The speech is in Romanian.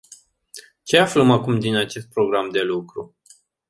Ce aflăm acum din acest program de lucru?